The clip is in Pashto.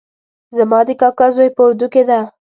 زما د کاکا زوی په اردو کې ده